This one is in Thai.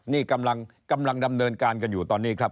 นี่กำลังดำเนินการกันอยู่ตอนนี้ครับ